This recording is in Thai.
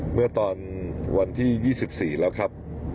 เมื่อตอนวันที่๒๔แล้วครับ